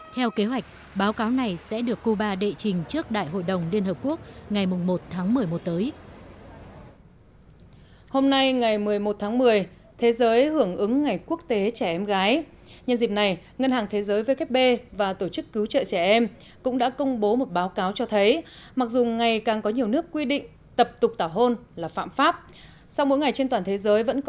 theo kế hoạch báo cáo này sẽ được cuba đệ trình trước đại hội đồng liên hợp quốc ngày một tháng một mươi một tới